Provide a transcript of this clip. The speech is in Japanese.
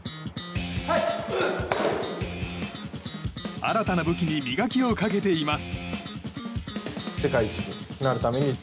新たな武器に磨きをかけています。